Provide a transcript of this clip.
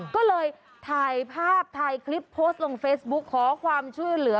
ก็เลยถ่ายภาพถ่ายคลิปโพสต์ลงเฟซบุ๊คขอความช่วยเหลือ